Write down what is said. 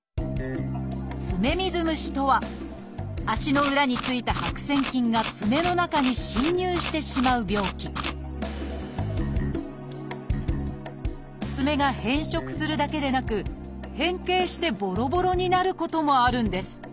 「爪水虫」とは足の裏についた白癬菌が爪の中に侵入してしまう病気爪が変色するだけでなく変形してボロボロになることもあるんです。